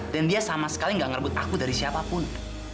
dan dia sama sekali gak ngerebut aku dari siapapun